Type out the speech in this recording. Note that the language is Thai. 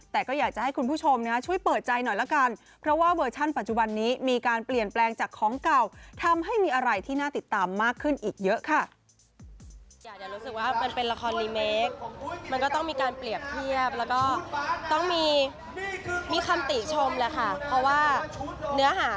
ทำให้มีอะไรที่น่าติดตามมากขึ้นอีกเยอะค่ะ